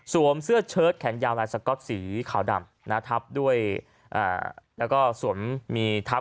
เสื้อเชิดแขนยาวลายสก๊อตสีขาวดำทับด้วยแล้วก็สวมมีทับ